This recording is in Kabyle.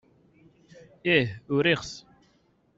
Ih, uriɣ-t.